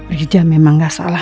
riza memang gak salah